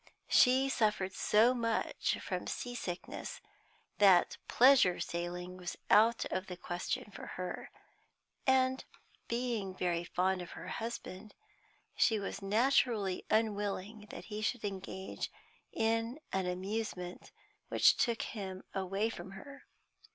She suffered so much from sea sickness that pleasure sailing was out of the question for her; and, being very fond of her husband, she was naturally unwilling that he should engage in an amusement which took him away from her.